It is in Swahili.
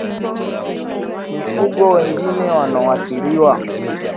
Mifugo wengine wanaoathiriwa